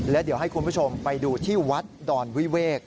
และเดี๋ยวให้คุณผู้ชมไปดูที่วัดดอนวิเวก